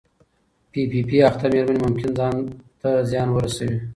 پی پي پي اخته مېرمنې ممکن ځان ته زیان ورسوي.